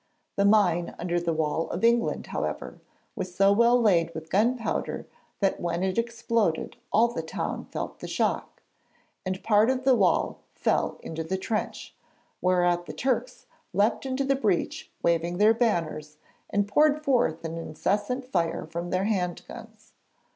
The mine under the wall of England, however, was so well laid with gunpowder that when it exploded all the town felt the shock, and part of the wall fell into the trench, whereat the Turks leaped into the breach waving their banners and poured forth an incessant fire from their hand guns.